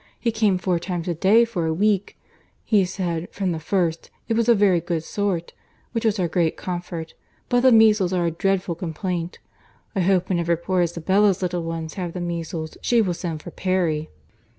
He came four times a day for a week. He said, from the first, it was a very good sort—which was our great comfort; but the measles are a dreadful complaint. I hope whenever poor Isabella's little ones have the measles, she will send for Perry."